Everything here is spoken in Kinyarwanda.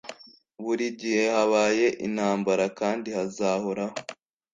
Buri gihe habaye intambara kandi hazahoraho